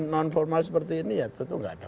non formal seperti ini ya tentu nggak ada